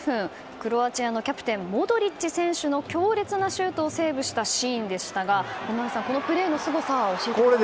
クロアチアのキャプテンモドリッチ選手の強烈なシュートをセーブしたシーンでしたが本並さん、このプレーのすごさを教えてください。